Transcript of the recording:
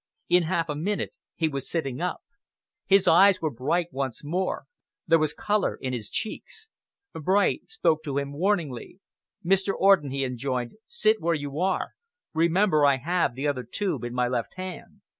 In half a minute he was sitting up. His eyes were bright once more, there was colour in his cheeks. Bright spoke to him warningly. "Mr. Orden," he enjoined, "sit where you are. Remember I have the other tube in my left hand."